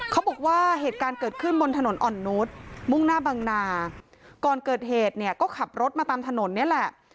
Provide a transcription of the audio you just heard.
เขาบอกว่าเหตุการณ์เกิดขึ้นบนถนนอ่อนนุษย์มุ่งหน้าบังนาก่อนเกิดเหตุเนี่ยก็ขับรถมาตามถนนนี่แหละ